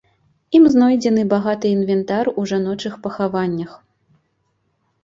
Ім знойдзены багаты інвентар у жаночых пахаваннях.